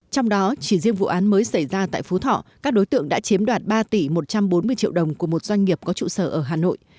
trong đó chỉ riêng vụ án mới xảy ra tại phú thọ các đối tượng đã chiếm đoạt ba tỷ một trăm bốn mươi triệu đồng của một doanh nghiệp có trụ sở ở hà nội